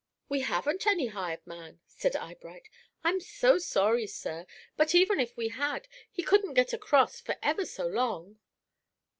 "We haven't any hired man," said Eyebright. "I'm so sorry, sir. But even if we had, he couldn't get across for ever so long."